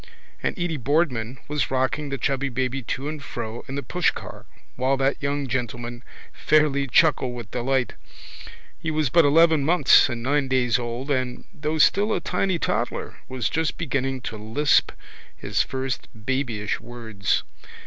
And Edy Boardman was rocking the chubby baby to and fro in the pushcar while that young gentleman fairly chuckled with delight. He was but eleven months and nine days old and, though still a tiny toddler, was just beginning to lisp his first babyish words.